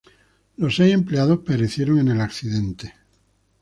Los seis empleados perecieron en el accidente.